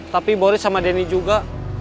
tapi boris sama denny juga